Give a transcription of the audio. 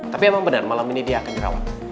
tapi emang benar malam ini dia akan dirawat